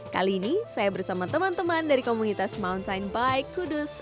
kali ini saya bersama teman teman dari komunitas mountain bike kudus